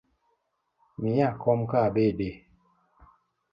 Miya kom ka abede